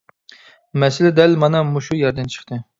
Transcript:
مەسىلە دەل مانا مۇشۇ يەردىن چىقتى.